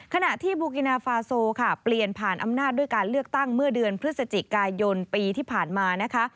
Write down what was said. ขณะที่บูกินาฟาโซค่ะเปลี่ยนผ่านอำนาจด้วยการเลือกตั้งเมื่อเดือนพฤศจิกายนปีที่ผ่านมานะคะ